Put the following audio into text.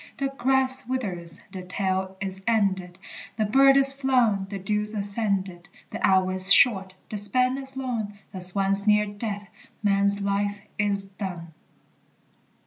The grass withers, the tale is ended, The bird is flown, the dew's ascended. The hour is short, the span is long, The swan's near death, man's life is done!